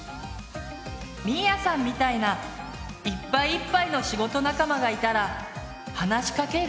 みーやさんみたいないっぱいいっぱいの仕事仲間がいたら話しかける？